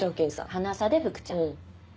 鼻差で福ちゃん。